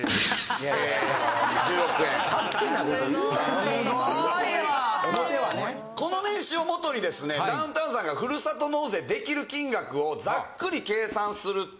・すごいわ・この年収をもとにですねダウンタウンさんがふるさと納税できる金額をざっくり計算すると。